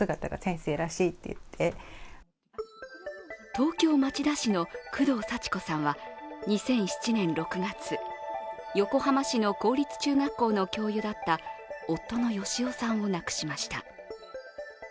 東京・町田市の工藤祥子さんは２００７年６月、横浜市の公立中学校の教諭だった夫の義男さんを亡くしました。